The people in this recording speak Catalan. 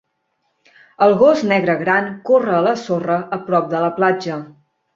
El gos negre gran corre a la sorra a prop de la platja.